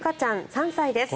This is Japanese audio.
３歳です。